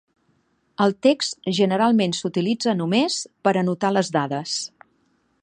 El text generalment s'utilitza només per anotar les dades.